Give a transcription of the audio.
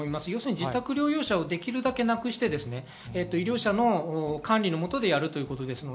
自宅療養者をできるだけなくして医療者の管理の下でやるということです。